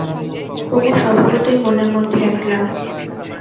কুমু স্বভাবতই মনের মধ্যে একলা।